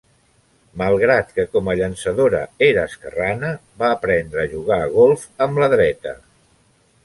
Malgrat que com a llançadora era esquerrana, va aprendre a jugar a golf amb la dreta.